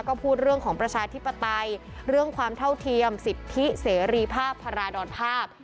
ก็พูดเรื่องของประชาธิปไตยเรื่องความเท่าเทียมสิทธิเสรีภาพพาราดรภาพ